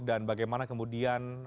dan bagaimana kemudian